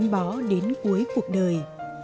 nhân bó đến cuối cuộc đời